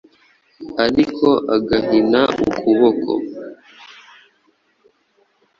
ariko agahina ukuboko,